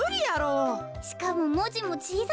しかももじもちいさすぎる。